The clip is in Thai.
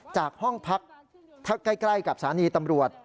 จากห้องพักถ้าใกล้กับสถานีตำรวจ